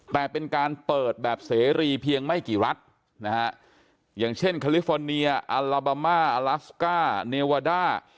แต่เป็นการเปิดแบบเสรีเพียงไม่กี่รัฐนะฮะอย่างเช่นคาลิฟอร์เนียอัลลาบามาอลาสก้าเนวาด้า